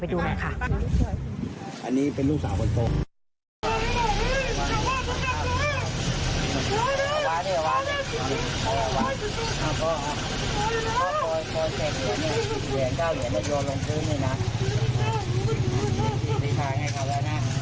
ไปดูหน่อยค่ะ